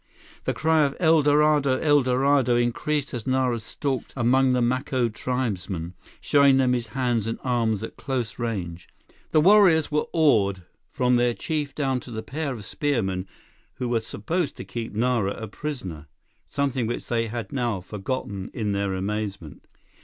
The cry of "El Dorado! El Dorado!" increased as Nara stalked among the Maco tribesmen, showing them his hands and arms at close range. The warriors were awed, from their chief down to the pair of spearmen who were supposed to keep Nara a prisoner—something which they had now forgotten in their amazement.